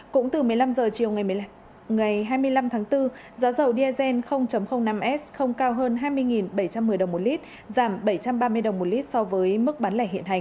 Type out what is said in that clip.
cũng từ một mươi năm h chiều ngày hai mươi năm tháng bốn giá dầu diesel năm s không cao hơn hai mươi bảy trăm một mươi đồng một lít giảm bảy trăm ba mươi đồng một lít so với mức bán lẻ hiện hành